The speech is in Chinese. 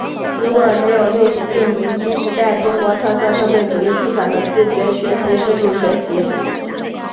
如果没有对习近平新时代中国特色社会主义思想的自觉学习深入学习